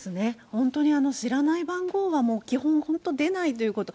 本当に知らない番号はもう基本、本当出ないということ。